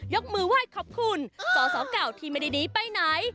ยกมือไหว้ขอบคุณสสเก่าที่ไม่ได้หนีไปไหน